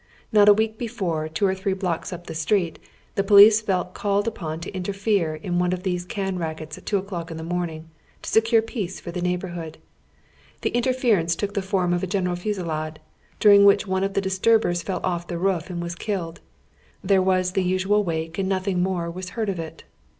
Xot a week before, two cii tliree blocks up the street, tlie police felt called upon to interfere in one of oy Google THE DOWN TOWN BACK ALLEYS. 39 these can rackets at two o'clock in tlie morning, to secure peace for tlie neigh borliood. Tlie interference took tlie form of a general fusillade, during which one of the die turbere fell off the roof and was killed. There was tlie usual wake and nothing more was Iieard of it.